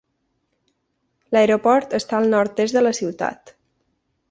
L'aeroport està al nord-est de la ciutat.